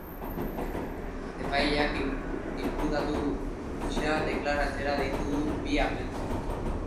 Epaileak inputatu gisa deklaratzera deitu ditu bi agenteak.